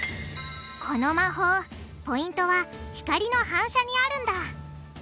この魔法ポイントは光の反射にあるんだ。